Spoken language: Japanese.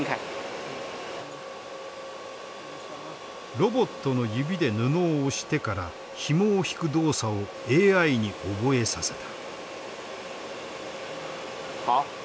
ロボットの指で布を押してからひもを引く動作をＡＩに覚えさせた。